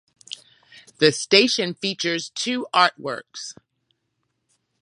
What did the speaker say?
The station features two artworks.